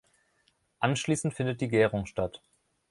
Anschließend findet die Gärung statt.